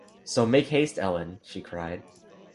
‘So make haste, Ellen!’ she cried.